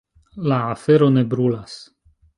La afero ne brulas.